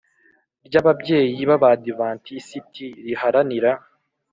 ry Ababyeyi b Abadiventisiti riharanira